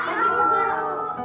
selamat pagi bu guru